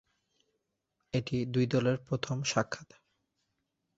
এটিই দুই দলের প্রথম সাক্ষাৎ।